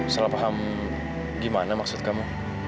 salah paham gimana maksud kamu